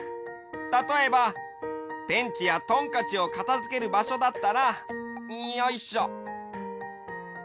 たとえばペンチやトンカチをかたづけるばしょだったらよいしょ。